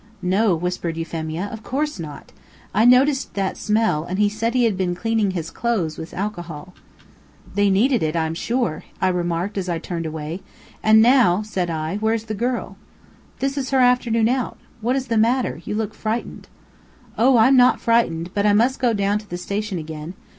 "No," whispered Euphemia, "of course not. I noticed that smell, and he said he had been cleaning his clothes with alcohol." "They needed it, I'm sure," I remarked as I turned away. "And now," said I, "where's the girl?" "This is her afternoon out. What is the matter? You look frightened." "Oh, I'm not frightened, but I find I must go down to the station again.